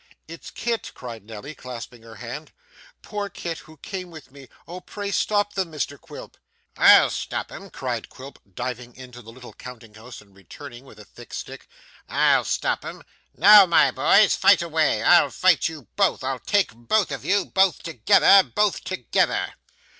'It's Kit!' cried Nelly, clasping her hand, 'poor Kit who came with me! Oh, pray stop them, Mr Quilp!' 'I'll stop 'em,' cried Quilp, diving into the little counting house and returning with a thick stick, 'I'll stop 'em. Now, my boys, fight away. I'll fight you both. I'll take both of you, both together, both together!